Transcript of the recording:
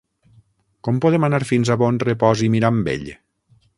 Com podem anar fins a Bonrepòs i Mirambell?